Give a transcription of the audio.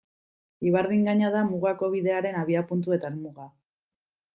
Ibardin gaina da Mugako Bidearen abiapuntu eta helmuga.